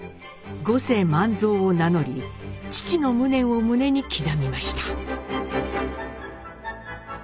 五世万造を名乗り父の無念を胸に刻みました。